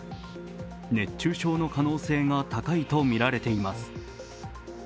熱中症の可能性が高いとみられています。